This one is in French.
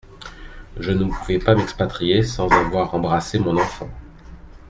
Je ne pouvais pas m’expatrier sans avoir embrassé mon enfant.